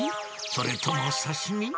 それとも刺し身？